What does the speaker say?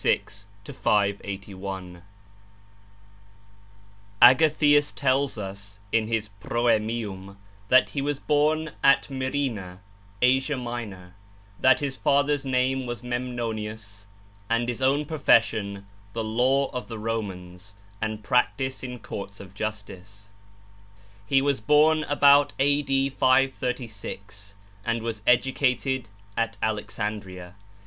AGATHIAS (536 581) Agathas tells us, in his 'Prooemium,' that he was born at Myrina, Asia Minor, that his father's name was Memnonius, and his own profession the law of the Romans and practice in courts of justice. He was born about A.D. 536, and was educated at Alexandria.